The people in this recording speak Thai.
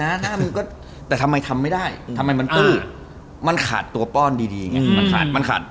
หน้านาน้ามึงก็แต่ทำไมทำไม่ได้ทำไมมันคือมันขาดตัวป้อนดีมันขาด